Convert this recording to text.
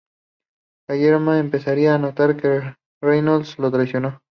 Kellerman empezaría a notar que Reynolds lo traicionó.